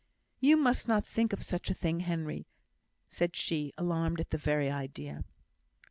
"You must not think of such a thing, Henry," said she, alarmed at the very idea.